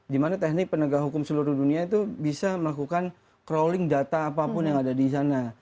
dimana teknik penegak hukum seluruh dunia itu bisa melakukan crawling data apapun yang ada di sana